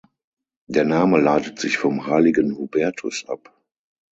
Der Name leitet sich vom Heiligen Hubertus ab.